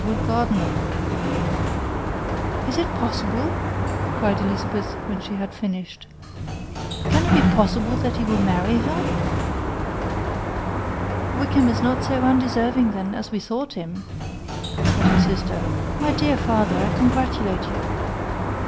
GARDINER." "Is it possible?" cried Elizabeth, when she had finished. "Can it be possible that he will marry her?" "Wickham is not so undeserving, then, as we have thought him," said her sister. "My dear father, I congratulate you."